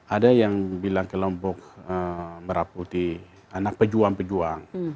ada yang bilang kelompok merah putih anak pejuang pejuang